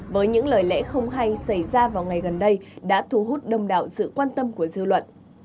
với những lời lẽ không hay xảy ra vào ngày gần đây đã thu hút đông đạo sự quan tâm của dư luận